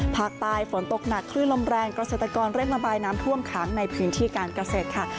ภาคใต้ฝนตกหนักคลื่นลมแรงเกษตรกรเร่งระบายน้ำท่วมขังในพื้นที่การเกษตรค่ะ